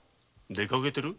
出かけてる？